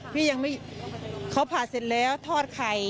พี่ยังไม่เขาผ่าเสร็จแล้วทอดไข่